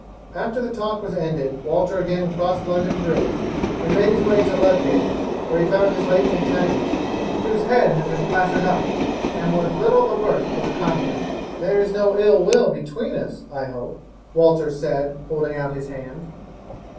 After the talk was ended Walter again crossed London Bridge, and made his way to Ludgate, where he found his late antagonist, whose head had been plastered up, and was little the worse for the conflict. "There is no ill will between us, I hope," Walter said, holding out his hand.